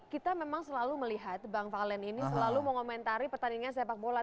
kita memang selalu melihat bang valen ini selalu mengomentari pertandingan sepak bola